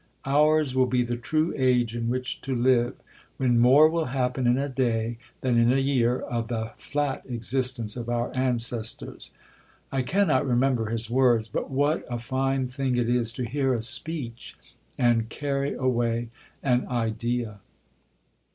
Ours will be the true age in which to live, when more will happen in a day than in a year of the flat existence of our ancestors. I cannot remember his words; but what a fine thing it is to hear a speech, and carry away an idea!